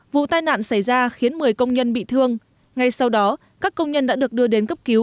vụ tai nạn xảy ra khiến một mươi công nhân bị thương ngay sau đó các công nhân đã được đưa đến cấp cứu